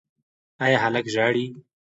ایا هلک ژاړي؟